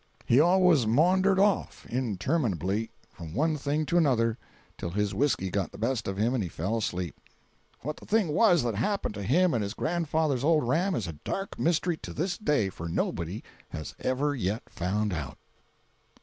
He always maundered off, interminably, from one thing to another, till his whisky got the best of him and he fell asleep. What the thing was that happened to him and his grandfather's old ram is a dark mystery to this day, for nobody has ever yet found out.